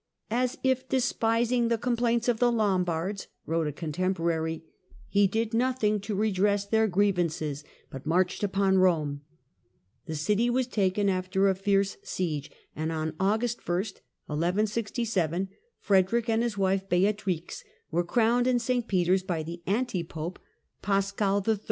"As if despising JtaiilrE^ the complaints of the Lombards," wrote a contemporary, Hqq^''''' he did nothing to redress their grievances, but marched upon Eome. The city was taken after a fierce siege, and Siege and on August 1, 1167, Frederick and his wife Beatrix wercKomr^''^ crowned in St Peter's by the anti pope Paschal III.